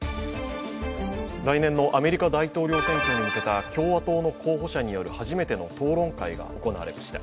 来年のアメリカ大統領選挙に向けた共和党の候補者による初めての討論会が行われました。